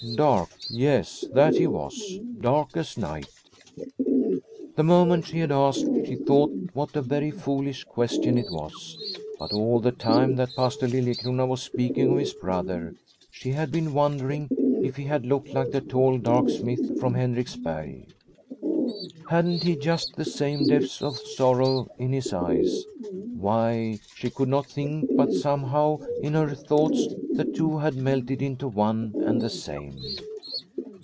Dark, yes that he was, dark as night. The moment she had asked she thought what a very foolish question it was. But all the time that Pastor Liliecrona was speaking of his brother she had been wondering if he had looked like the tall dark smith from Henriks berg. Hadn't he just the same depths of sorrow in his eyes ? Why, she could not think, but somehow in her thoughts the two had melted into one and the same.